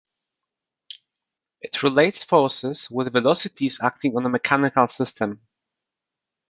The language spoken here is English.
It relates forces with velocities acting on a mechanical system.